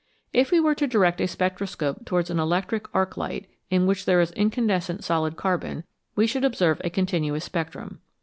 If we were to direct a spectroscope towards an electric arc light, in which there is incandescent solid carbon, we should observe a continuous spectrum.